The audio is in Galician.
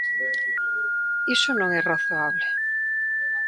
Iso non é razoable.